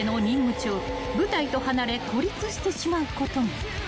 中部隊と離れ孤立してしまうことも］